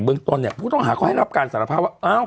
เมืองต้นผู้ต้องหาก็ให้รับการสารพักว่าเอา